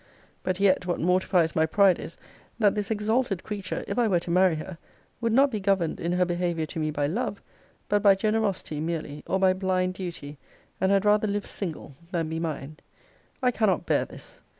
But yet, what mortifies my pride is, that this exalted creature, if I were to marry her, would not be governed in her behaviour to me by love, but by generosity merely, or by blind duty; and had rather live single, than be mine. I cannot bear this.